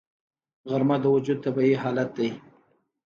غرمه د وجود طبیعي حالت دی